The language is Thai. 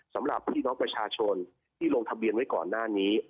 สำหรับพี่น้องประชาชนที่ลงทะเบียนไว้ก่อนหน้านี้